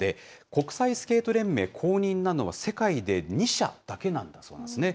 国際スケート連盟公認なのは、世界で２社だけなんですね。